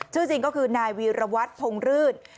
ชื่อจริงก็คือนายวีรวัตรพงรื่น